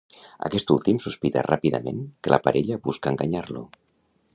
Aquest últim sospita ràpidament que la parella busca enganyar-lo.